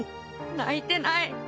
泣いてない！